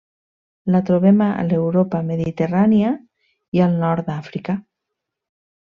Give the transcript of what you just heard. La trobem a l'Europa Mediterrània i al nord d'Àfrica.